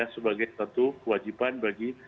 sebagai satu kewajiban bagi